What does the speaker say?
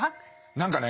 何かね